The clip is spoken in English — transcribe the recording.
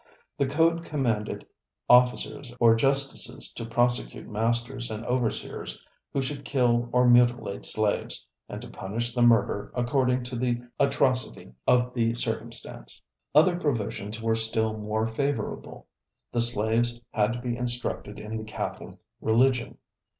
The code commanded officers or justices to prosecute masters and overseers who should kill or mutilate slaves, and to punish the murder according to the atrocity of the circumstance. Other provisions were still more favorable. The slaves had to be instructed in the Catholic religion.